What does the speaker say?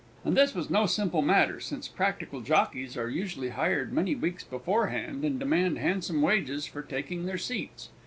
And this was no simple matter, since practical jockeys are usually hired many weeks beforehand, and demand handsome wages for taking their seats.